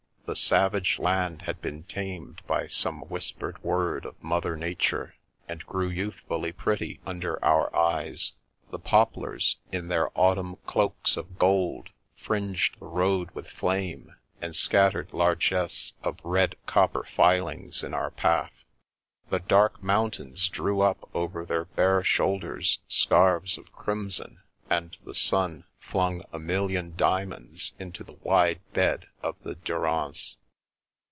The savage land had been tamed by some whispered word of Mother Nature, and grew youthfully pretty under our eyes. The poplars, in their autumn cloaks of gold, fringed the road with flame, and scattered largesse of red copper filings in our path ; the dark mountains drew up over their bare shoul ders scarfs of crimson, and the sun flung a million diamonds into the wide bed of the Durance.